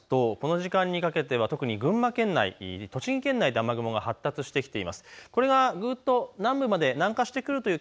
雨雲の状況を見てみますと、この時間にかけては特に群馬県内、栃木県内で雨雲が発達してきています。